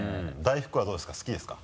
大福はどうですか？